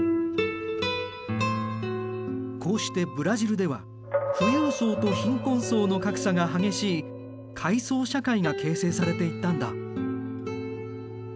こうしてブラジルでは富裕層と貧困層の格差が激しい階層社会が形成されていったんだ。